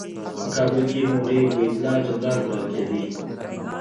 په کابل کې مولوي عبیدالله جنرال بلل کېده.